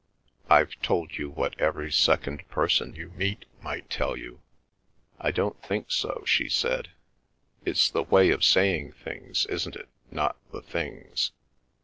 I've told you what every second person you meet might tell you." "I don't think so," she said. "It's the way of saying things, isn't it, not the things?"